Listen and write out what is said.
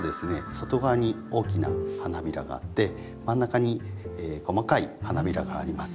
外側に大きな花びらがあって真ん中に細かい花びらがあります。